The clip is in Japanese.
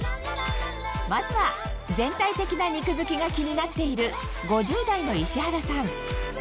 まずは全体的な肉づきが気になっている５０代のイシハラさん